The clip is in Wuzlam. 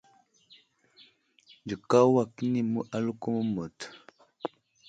Nzikwa uway kəni aləko məmut.